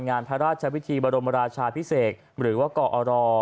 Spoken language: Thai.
งานพระราชวิธีบรมราชาพิเศษหรือว่ากอร